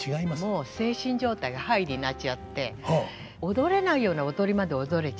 もう精神状態がハイになっちゃって踊れないような踊りまで踊れちゃうの。